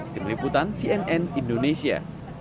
di meliputan cnn indonesia